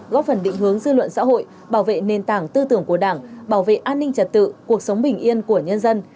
góp phần định hướng dư luận xã hội bảo vệ nền tảng tư tưởng của đảng bảo vệ an ninh trật tự cuộc sống bình yên của nhân dân